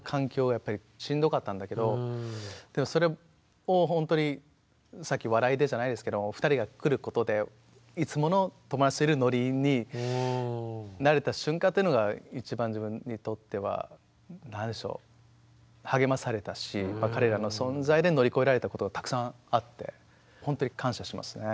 やっぱりしんどかったんだけどでもそれをほんとにさっき笑いでじゃないですけれど２人が来ることでいつもの友達といるノリになれた瞬間というのが一番自分にとっては何でしょう励まされたし彼らの存在で乗り越えられたことがたくさんあってほんとに感謝しますね